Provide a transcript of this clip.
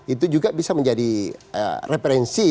itu juga bisa menjadi referensi